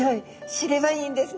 知ればいいんですね。